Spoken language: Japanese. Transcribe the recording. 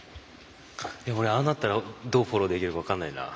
俺、ああなったらどうフォローできるか分からないな。